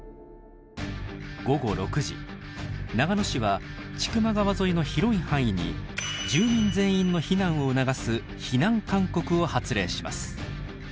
午後６時長野市は千曲川沿いの広い範囲に住民全員の避難を促す避難勧告を発令します。